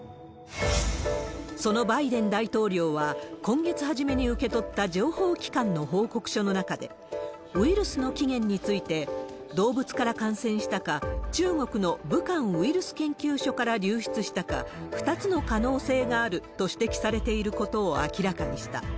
そのバイデン大統領は、今月初めに受け取った情報機関の報告書の中で、ウイルスの起源について、動物から感染したか、中国の武漢ウイルス研究所から流出したか、２つの可能性があると指摘されていることを明らかにした。